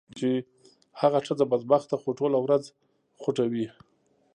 چې هغه ښځه بدبخته خو ټوله ورځ خوټوي.